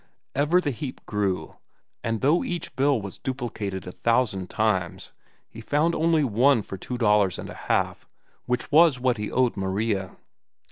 Ever the heap grew, and though each bill was duplicated a thousand times, he found only one for two dollars and a half, which was what he owed Maria.